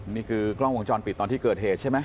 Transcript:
นี่คือกล้องวงจรปิดตอนที่เกิดเหตุใช่ไหม